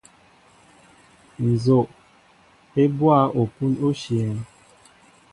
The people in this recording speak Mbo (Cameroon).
Nzoʼ e mɓɔa opun oshyɛέŋ.